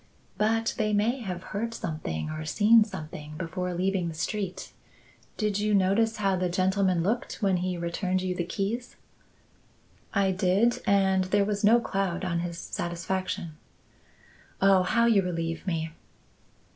"But they may have heard something or seen something before leaving the street. Did you notice how the gentleman looked when he returned you the keys?" "I did, and there was no cloud on his satisfaction." "Oh, how you relieve me!"